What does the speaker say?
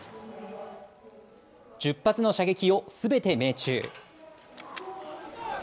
１０発の射撃をすべて命中。